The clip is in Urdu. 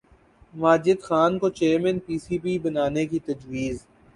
ماجد خان کو چیئرمین پی سی بی بنانے کی تجویز